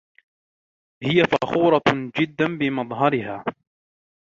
هي فخورة جدا بمظهرها.